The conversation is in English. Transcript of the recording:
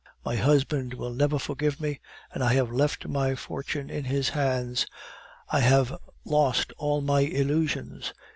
My husband will never forgive me, and I have left my fortune in his hands. I have lost all my illusions.